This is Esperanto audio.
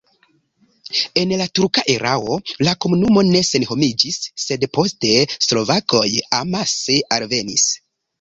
En la turka erao la komunumo ne senhomiĝis, sed poste slovakoj amase alvenis.